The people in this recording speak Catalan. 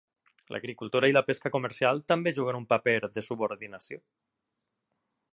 L'agricultura i la pesca comercial també juguen un paper de subordinació.